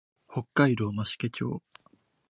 北海道増毛町